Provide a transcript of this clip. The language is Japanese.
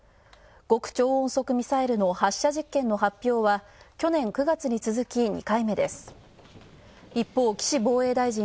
極超音速ミサイルの発射実験の発表は、去年９月に続き、２回目です。